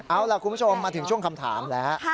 เอาล่ะคุณผู้ชมมาถึงช่วงคำถามแล้ว